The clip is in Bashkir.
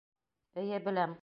Эйе, беләм!